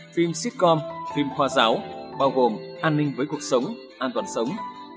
phim sitcom phim khoa giáo bao gồm an ninh với cuộc sống an toàn sống